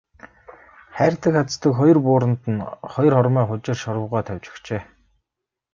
Хайрдаг хаздаг хоёр бууранд нь хоёр хормой хужир шорвогоо тавьж өгчээ.